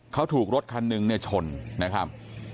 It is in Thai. เขาถูกรถคันหนึ่งเนี่ยชนนะครับ